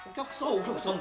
お客さん。